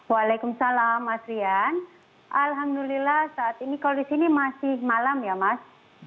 waalaikumsalam mas rian alhamdulillah saat ini kalau di sini masih malam ya mas